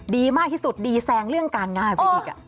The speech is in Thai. ดีมากที่สุดดีแซงเรื่องการงานไปอีก